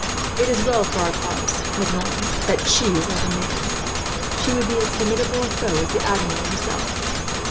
"It is well for our cause, Maignan, that she is not a man. She would be as formidable a foe as the Admiral himself.